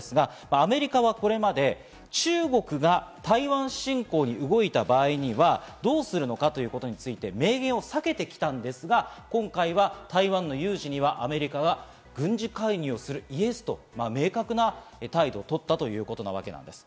アメリカはこれまで中国が台湾侵攻に動いた場合にはどうするのかということについて明言を避けてきたんですが、今回は台湾の有事にはアメリカは軍事介入する、イエスと明確な態度を取ったということです。